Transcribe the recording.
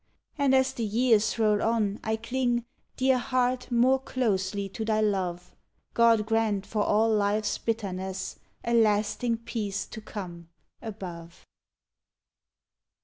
And as the years roll on I cling, Dear heart, more closely to thy love; God grant for all life's bitterness A lasting peace to come, above!